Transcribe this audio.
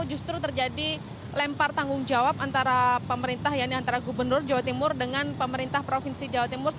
jadi justru terjadi lempar tanggung jawab antara pemerintah antara gubernur jawa timur dengan pemerintah provinsi jawa timur